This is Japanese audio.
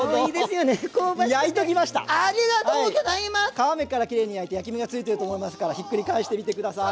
皮目からきれいに焼いて焼き目が付いていると思いますからひっくり返してみてください。